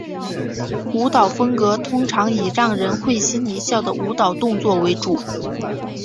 舞蹈风格通常以让人会心一笑的舞蹈动作为主。